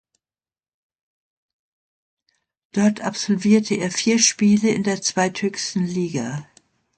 Dort absolvierte er vier Spiele in der zweithöchsten Liga.